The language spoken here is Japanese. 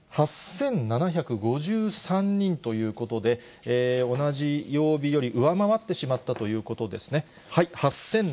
８７５３人ということで、同じ曜日より上回ってしまったということですね。